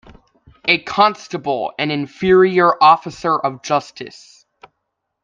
A constable an inferior officer of justice.